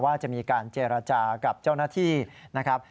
ว่าจะมีการเจรจากับเจ้าหน้าที่นะครับ